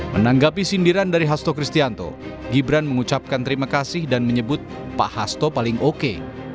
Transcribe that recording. menanggapi sindiran dari hasto kristianto gibran mengucapkan terima kasih dan menyebut pak hasto paling oke